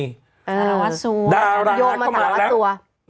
ศาลาวัสตร์ศาลาวัสตร์สัวศาลายมศาลาวัสตร์สัว